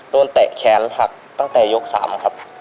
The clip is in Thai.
ลูกที่แขนหักตั้งแต่ยก๓ครับ